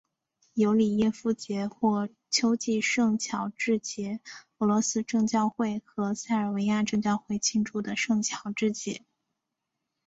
尤里耶夫节或秋季圣乔治节俄罗斯正教会和塞尔维亚正教会庆祝的圣乔治节。